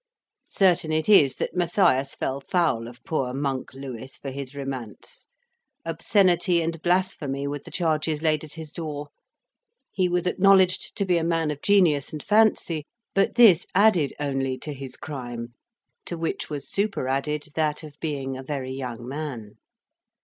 Certain it is, that Matthias fell foul of poor "Monk" Lewis for his romance: obscenity and blasphemy were the charges laid at his door; he was acknowledged to be a man of genius and fancy, but this added only to his crime, to which was superadded that of being a very young man.